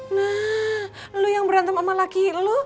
nah lo yang berantem sama laki lo